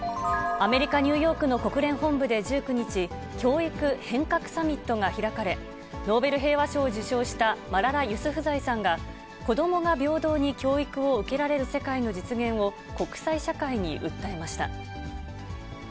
アメリカ・ニューヨークの国連本部で１９日、教育変革サミットが開かれ、ノーベル平和賞を受賞したマララ・ユスフザイさんが、子どもが平等に教育を受けられる世界の実現を、国際社会に訴えました。